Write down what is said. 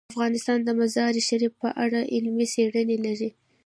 افغانستان د مزارشریف په اړه علمي څېړنې لري.